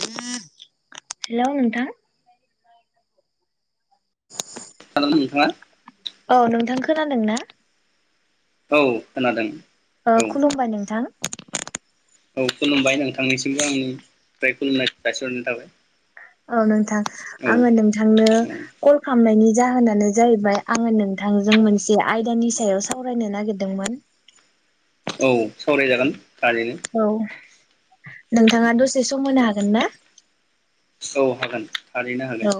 हेल' नोंथां। [unintelligible] मा? औ नोंथां खोनादोंना। औ खोनादों। ओ औ खुलुमबाय नोंथां। औ खुलुमबाय नोंथांनिसिमबो आंनिफ्राय खुलुमनाय जासिहरनाय थाबाय। औ नोंथां औ आङो नोंथांनो औ कल खामनायनि जाहोनानो जाहैबाय आङो नोंथांजों मोनसे आयदानि सायाव सावरायनो नागिरदोंमोन। औ सावरायजागोन। थारैनो औ नोंथाङा दसे सम होनो हा गोनना? औ हागोन। थारैनो हागोन औ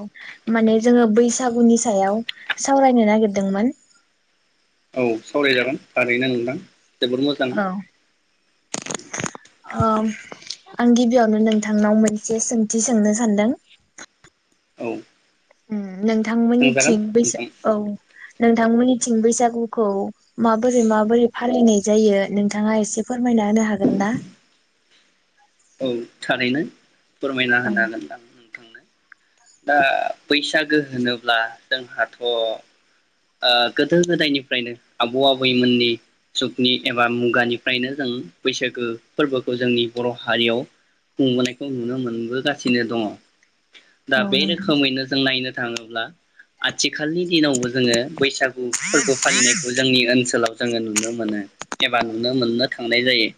माने जोङो बै सागुनि सायाव सावरायनो नागिरदोंमोन। औ सावरायजागोन थारैनो नोंथां। जोबोर मोजां औ-उम आं गिबियावनो नोंथांनाव मोनसे सोंथि सोंनो सानदों। औ उम थांजागोन नोंथांमोननिथिं नोंथां बैस-औ नोंथांमोननिथिं बैसागुखौ माबोरै-माबोरै फालिनाय जायो नोंथाङा एसे फोरमायना होनो हागोन ना? औ थारैनो। फोरमायना औ होनो हागोन दा। नोंथांनो दा बैसागो होनोब्ला जोंहाथ' ओ गोदो-गोदायनिफ्रायनो आबौ-आबैमोननि जुगनि एबा मुगानिफ्रायनो जों बैसागो फोरबोखौ जोंनि बर' हारियाव खुंबोनायखौ नुनो मोनबोगासिनो दङ। दा औ बे नोंथां रोखोमैनो जों नायनो थाङोब्ला आथि खालनि दिनावबो जोङो। बैसागु फोरबो फालिनायखौ जोंनि ओनसोलाव जोङो नुनो मोनो। एबा नुनो मोननो थांनाय जायो।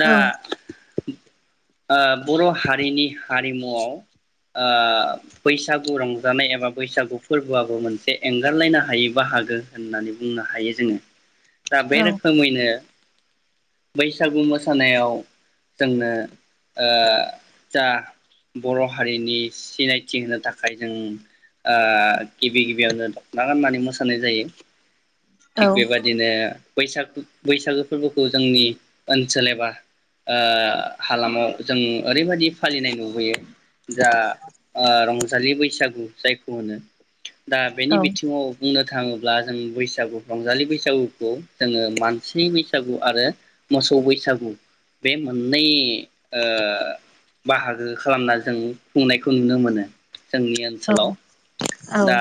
दा औ ओ-बर' हारिनि हारिमुआव ओ-बैसागु रंजानाय एबा बैसागु फोरबोआबो मोन एंगारलायनो हायो बाहागो होननानै बुंनो हायो जोङो। दा बे औ रोखोमैनो। बैसागु मोसानायाव जोंनो ओ-जा बर' हारिनि सिनायथि होनो थाखाय जों ओ-गिबि गिबियावनो। मा गाननानै मोसानाय जायो। औ थिग बेबादिनो। बैसागु बैसागो फोरबोखौ जोंनि ओनसोल एबा ओ हालामाव जों ओरैबायदि। फालिनाय लुबैयो। जा ओ-रंजालि बै सागु जायखौ होनो। दा औ बेनि बि बुंनो थाङोब्ला जों बैसागु रंजालि बैसागुखौ जोङो मानसि बैसागु आरो मोसौ बैसागु बे मोननै ओ बाहागो खालामना जों खुंनायखौ नुनो मोनो। जोंनि औ ओनसोलाव। औ दा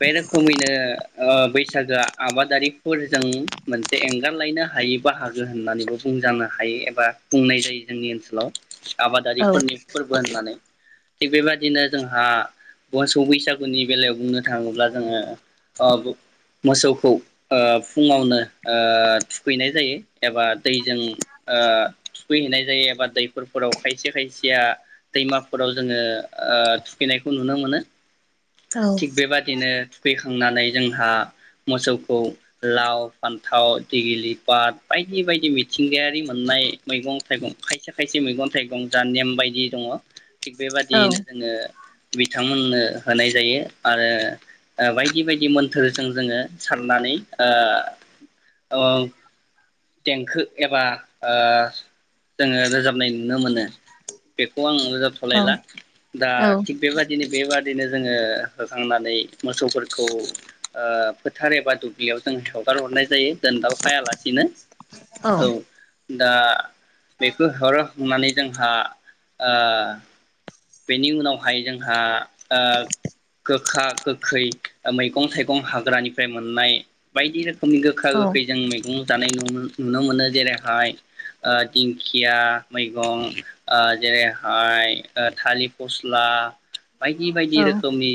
बे रोखोमैनो। ओ-बैसागोआ आबादारिफोरजों मोनसे एंगारलायनो हायै बाहागो होननानैबो बुंजानो हायो एबा बुंनाय जायो जोंनि ओनसोलाव। औ आबादारिफोरनि फोरबो होननानै। थिग बेबायदिनो जोंहा मोसौ बैसा गुनि बेलायाव बुंनो थाङोब्ला जोङो ओ-मोसौखौ ओ- फुङावनो ओ-थुखैनाय जायो एबा दैजों ओ- थुखैहैनाय जायो एबा दैफोरफोराव खायसे खायसेया दैमाफोराव जोङो ओ-थुखैनायखौ नुनो मोनो थिग बेबादिनो थुखैखां नानै जोंहा मोसौखौ। लाव फान थाव देगिलि पाट बायदि बायदि मिथिंगायारि मोननाय मैगं थाइगं खायसे खायसे मैगं थाइगं जा नेम बायदि दङ। थिग बेबादियैनो औ जोङो। बिथांमोननो। होनाय जायो आरो ओ-बायदि बायदि मोन्थोरजों जोङो सारनानै ओ- ओ-देंखो एबा जोङो रोजाबनाय नुनो मोनो। बेखौ आं औ रोजाबथ'लायला दा थिग बेबादिनो बेबादि। बिदिनो जोङो होखांनानै मोसौफोरखौ ओ फोथार एबा दु ब्लियाव जों हगार हरनाय जायो जों दोनदाल खायालासिनो औ। दा। बेखौ [inaudible] होननानै जोंहा ओ। बेनि उनावहाय जोंहा ओ गोखा गोखै मैगं थाइगं हाग्रानिफ्राय मोननाय बायदि रोखोम नि गोखा औ गोखै जों मैगं। जानाय नुनो मोनो जेरैहाय। ओ दिंखि या मैगं जेरैहाय। ओ थालिर फस्ला। बायदि बायदि औ रोखोमनि।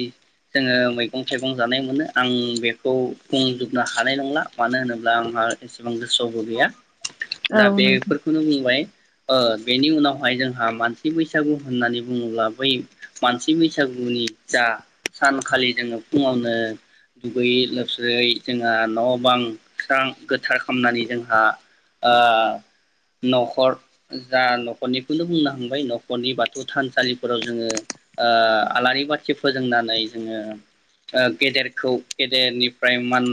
जोङो मैगं थाइगं जानाय मोनो आं बेखौ बुंजोबनो हानाय नंला मानो होनोब्ला आंहा एसे। गोबां गोसोआवबो गैया औ दा नोंथां बेफोरखौनो बुंबाय। ओ बेनि उनावहाय जोंहा मानसि बैसागु होननानै बुङोब्ला बै मानसि बैसागुनि जा सानखालि जोङो फुङावनो दुगैयै लोबस्रोयै जोंहा न' बां स्रां गोथार खालामनानै जोंहा ओ न'खर जा न'खरनिखौनो बुंनो थांबाय न'खरनि बाथौ। थानसालिफोराव जोङो आलारि बाथि फोजोंनानै जोङो गेदेरखौ गेदेरनिफ्राय मान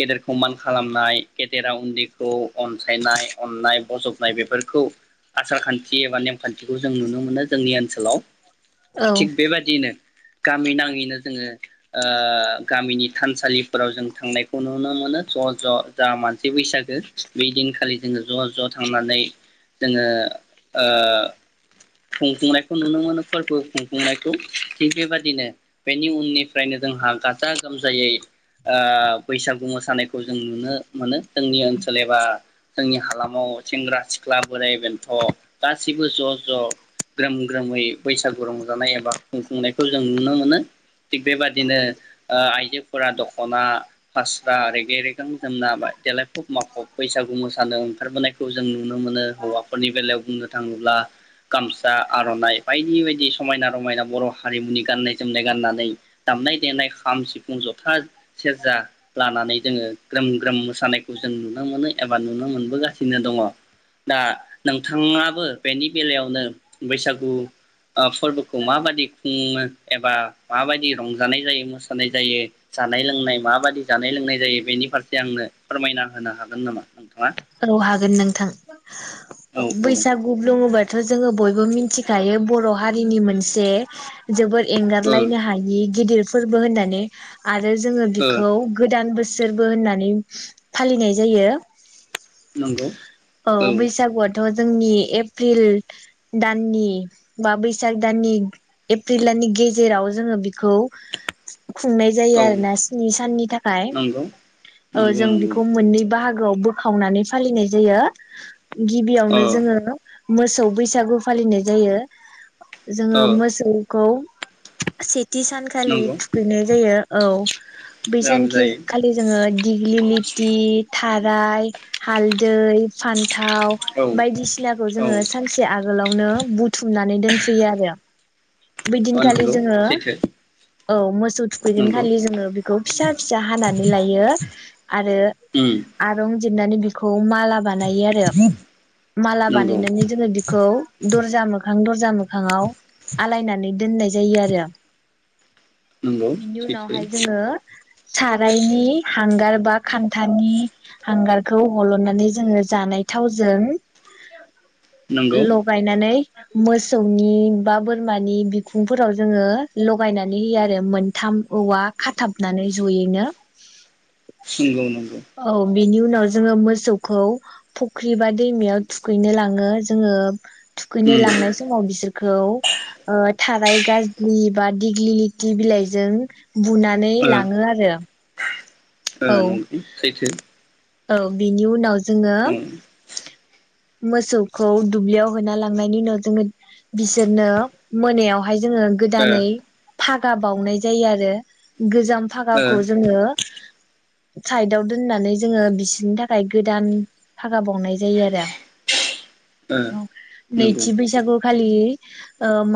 गेदेरखौ मान खालामनाय गेदेरा उन्दैखौ अनसायनाय अननाय बजबनाय बेफोरखौ आसार खान्थि एबा नेमखान्थिखौ जों नुनो। बे जोंनि ओनसोलाव। औ थिक बेबायदिनो। गामि नाङैनो जोङो। ओ। गामिनि थानसालिफोराव जों थांनायखौ नुनो मोनो ज' ज' जा मानसि बैसागो बै दिनखालि जोङो ज' ज' थांनानै जोङो। खुंफुंनायखौ नुनो मोनो। फोरबो खुंफुंनायखौ थिग बेबदिनो बेनि उननिफ्रायनो जोंहा गाजा गोमजायै बैसागु मोसानायखौ जों नुनो मोनो। जोंनि ओनसोल एबा। जोंनि हालामाव सेंग्रा सिख्ला बोराइ बेन्थ'। गाससिबो ज' ज'। ग्रोम ग्रोमै बैसागु रंजानाय एबा खुंफुंनायखौ जों नुनो मोनो। थिग बेबादिनो ओ आइजोफोरा दख'ना फास्रा रेगे रेगां जोमना देलायफब माफब बैसागु मोसानो ओंखारबोनायखौ जों नुनो मोनो हौवाफोरनि बेलायाव बुंनो थाङोब्ला गामसा। जा आर'नाइ बायदि बायदि समायना रमायना बर' हारिमुनि गाननाय जोमनाय गाननानै दामनाय देनाय खाम सिफुं जथा सेरजा लानानै जोङो ग्रोम ग्रोम मोसानायखौ जों नुनो मोनो एबा नुनो मोनबोगासिनो दङ। दा नोंथाङाबो बेनि बेलायावनो। बैसागु फोरबोखौ माबायदि खुङो एबा माबायदि रंजानाय जायो, मोसानाय जायो, जानाय लोंनाय माबायदि जानाय लोंनाय जायो बेनि फारसे आंनो फोरमायना होनो हागोन नामा? नोंथाङा औ हागोन नोंथां। औ औ बैसागु लुङोबा। जोङो बयबो मिथिखायो बर' हारिनि मोनसे जोबोद ओ एंगारलायनो हायि गिदिर फोरबो होननानै आरो जोङो ओ बिखौ गोदान बोसोर सोरबो होननानै फालिनाय जायो। नंगौ औ बैसागुआथ'। जोंनि एप्रिल दाननि बा बैसाग दाननि एप्रिल दाननि गेजेराव जोङो बिखौ खुंनाय जायो औ आरोना स्नि साननि थाखाय नंगौ ओ नंगौ जों नंगौ बेखौ मोननै बाहागो [unintelligible] खावनानै फालिनाय जायो। ओ गिबियावनो जोङो। मोसौ बैसागु फालिनाय जायो। जोङो ओ मोसौखौ सित थि सानखालि नंगौ थुखैनाय जायो औ बै औ सानखि जायो खालि जोङो दिग्लि लिति थाराय हालदै फान्थाव औ बायदिसिनाखौ औ जोङो ओ सानसे आगोलावनो बुथुमनानै दोनफैयो आरो। बैदिनखालि नंगौ जोङो सैथो औ मोसौ नंगौ थुखैगोनखालि जोङो बिखौ फिसा फिसा हानानै लायो आरो उम आरं जिरनानै बिखौ माला बानायो आरो माला नंगौ बानायनानै जोङो बिखौ द जा मोखां दर्जा मो फाङाव आलायनानै दोननाय जायो आरो नंगौ बिनि सैथो उनावहाय जोङो सारायनि हांगार बा खान्थानि हांगारखौ हलनानै जोङो जानाय थावजों नंगौ लगायनानै मोसौनि बा बोर मानि बिखुंफोराव जोङो लगायनानै होयो आरो मोनथाम औवा खाथाबनानै जयैनो नंगौ नंगौ औ बिनि उनाव जोङो मोसौखौ फुख्रि बा दैमायाव थुखैनो लाङो जोङो। थुखैनो उम लांनाय समाव बिसोरखौ थाराइ गाज्लि बा दिग्लि लिथि बिलाइजों बुनानै ओ लाङो आरो। ओ औ नंगौ सैथो। औ बिनि उनाव। जोङो। उम मोसौखौ दुब्लियाव होना लांनायनि उनाव जोङो बिसोरनो मोनायाव। हाय जोङो ओ गोदानै। फागा बावनाय जायो आरो। गोजाम ओ फागाखौ जोङो। साइदाव दोननानै जोङो बिसोरनि थाखाय गोदान फागा बावनाय जायो आरो ओ औ नंगौ नैथि बैसागु खालि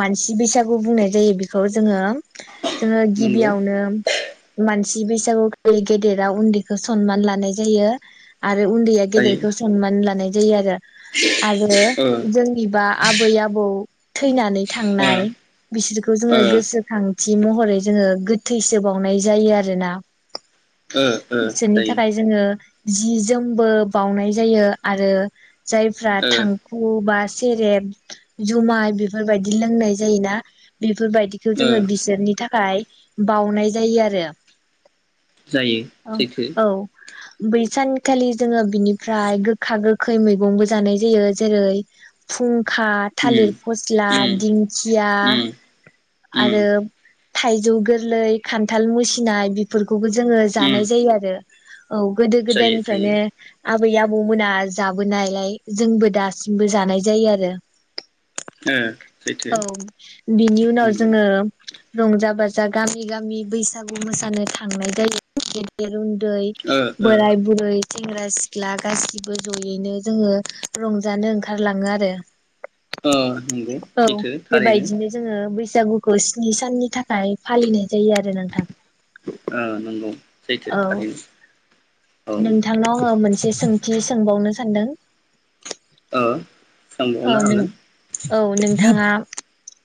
मानसि बैसागु बुंनाय जायो बेखौ जोङो जोङो नंगौ गिबियावनो मान सि बैसागु गेदेराव उन्दैखौ सनमान लानाय जायो आरो उन्दैया जायो गेदेरखौ सनमान लानाय जायो आरो आरो ओ जोंनिबा आबै आबौ थैनानै ओ थांनाय बिसोरखौ जोङो ओ गोसोखां थि महरै जोङो गोथैसोबावनाय जायो आरो ना ओ बिसोरनि जायो थाखाय जोङो जि जोमबो बाउनाय जायो आरो जायफ्रा ओ थांखु बा सेरेब जुमाय बेफोरबायदि लोंनाय जायोना बे बेफोरबायदिखौ ओ जोङो बिसोरनि थाखाय बावनाय जायो आरो जायो औ सैथो औ बै सानखालि जोङो बिनिफ्राय गोखा गोख खै मैगंबो जानाय जायो जेरै फुं खा थालिर उम फस्ला उम दिंखिया उम उम आरो थाइजौ गोरलै खान्थाल मुसिनाय बेफोरखौबो जों जोङो उम जानाय जायो आरो औ गोदो जायो जायो गोदायनिफ्रायनो आबै आबौमोना जाबोनायलाय जोंबो दासिमबो जानाय जायो आरो ओ सैथो औ बिनि उनाव नंगौ जोङो रंजा बाजा गामि गामि बैसागु मोसानो थांनाय जायो गेदेर उन्दै रै ओ ओ बोराय बुरै सेंग्रा सिख्ला गासिबो जयैनो जोङो रंजानो ओंखारलाङो आरो। अ नोंगौ औ बेबायदिनो जोङो बै सागुखौ स्नि साननि थाखाय फालिनाय जायो आरो नोंथां। ओ नोंगौ। औ नोंथांनाव आङो मोनसे सोंथि सोंबावनो सान्दों। ओ सोंबावनो हागोन।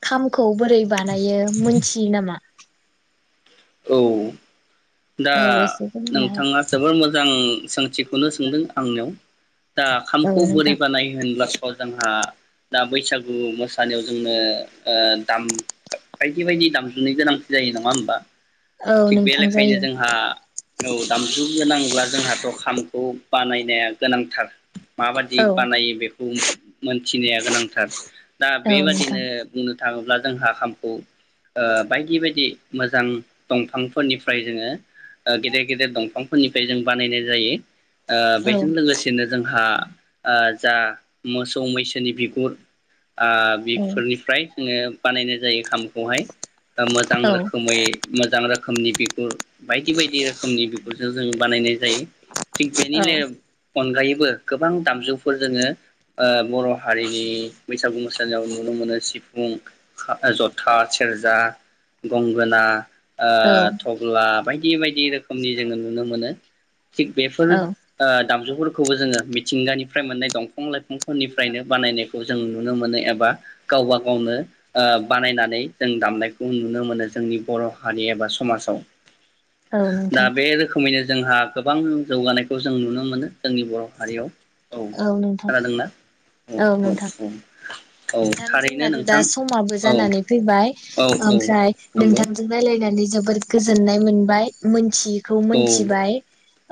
खाम खौ बोरै बानायो मोनथियो नामा? औ। दा औ एसे फोरमायना हो नोंथाङा जोबोर मोजां सोंथिखोनो सोंदों आंनियाव। दा खामखौ औ बोरै नोंथां बानायो होनब्ला अह जोंहा दा बैसागु मोसानायाव जोंनो ओ दाम बायदि बायदि दामजुनि गोनांथि जायो नङा ओमबा? औ थिग बे नोंथां लेखायैनो जायो जोंहा औ दामजु गोनांब्ला जोंहाथ' खामखौ बानायनाया गोनांथार। माबादि औ बानायो बेखौ मोनथिनाया गोनांथार। दा औ नोंथां बेबादिनो बुंनो थाङोब्ला जोंहा खामखौ ओ बायदि बायदि मोजां दंफांफोरनिफ्राय जोङो ओ गेदेर गेदेर दंफांफोरनिफ्राय जों बानायनाय जायो। ओ औ बेजों लोगोसेनो जोंहा ओ जा मोसौ मैसोनि बिगुर ओ औ बेफोरनिफ्राय जोङो बानायनाय जायो खाम खौहाय ओ मोजां औ रोखोमै मोजां रोखोमनि बिगुर बायदि बायदि रोखोमनि बिगुरजों जों बानायनाय जायो। थिग बेनि औ [unintelligible] अनगायै बो गोबां दामजुफोर जोङो ओ बर' हारिनि बैसागु मोसानायाव नुनो मोनो सिफुं खामो जथा सेरजा गंगोना ओ थब्ला बाय दि बायदि रोखोमनि जोङो नुनो मोनो। थिग बेफोर औ ओ दामजुफोरखौबो जोङो मिथिंगानिफ्राय मोननाय दंफां लाइ ‌ फुं फोरनिफ्रायनो बानायनाय खौ जों नुनो मोनो एबा गावबा गावनो ओ बानायनानै दों दामनायखौ नुनो मोनो जोंनि बर' हारि एबा समाजाव औ दा नोंथां बे रोखोमैनो जोंहा गोबां जौगानायखौ जों नुनो मोनो जोंनि बर' हारियाव। औ खानादोंना औ औ औ नोंथां थारैनो जोंनाथ' दा नोंथां समाबो औ जानानै फैबाय औ औ आमफ्राय नंगौ नोंथांजों रायलाय नानै जोबोर गोजोननाय मोनबाय मोनथि यिखौ औ मोनथिबाय।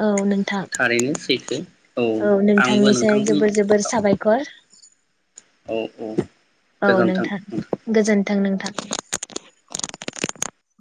औ नोंथां थारैनो सैथो। औ आंबो नोंथांनिसाइ नोंथांजों जोबोर जोबोर औ साबायखर ‌। औ औ औ नोंथां गोजोन्थों गोजोन थों नोंथां ।